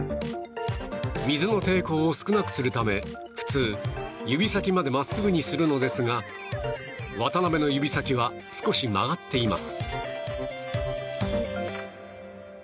水の抵抗を少なくするため普通、指先まで真っすぐにするのですが渡辺の指先は少し曲がっています。